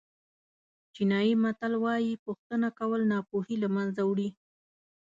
چینایي متل وایي پوښتنه کول ناپوهي له منځه وړي.